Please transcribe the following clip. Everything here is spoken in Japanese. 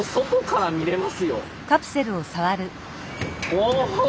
お！